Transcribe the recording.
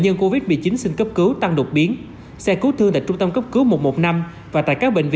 nhân covid một mươi chín xin cấp cứu tăng đột biến xe cứu thương tại trung tâm cấp cứu một trăm một mươi năm và tại các bệnh viện